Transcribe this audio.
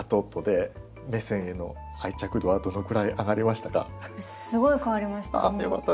すごい変わりました。